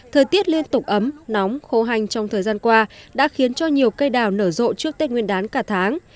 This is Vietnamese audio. thời tiết liên tục ấm nóng khô hành trong thời gian qua đã khiến cho nhiều cây đào nở rộ trước tết nguyên đán cả tháng